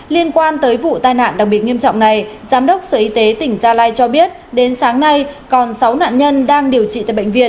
liên quan tới vụ tai nạn đặc biệt nghiêm trọng này giám đốc sở y tế tỉnh gia lai cho biết đến sáng nay còn sáu nạn nhân đang điều trị tại bệnh viện